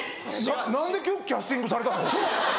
・何で今日キャスティングされたの？